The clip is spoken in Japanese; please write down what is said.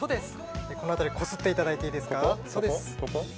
この辺りをこすっていただいていいですか。